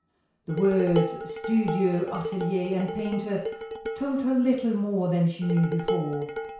The words — studio, atelier and painter — told her little more than she knew before.